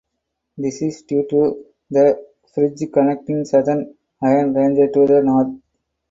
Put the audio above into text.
This is due to the bridge connecting southern Iron Ranger to the north.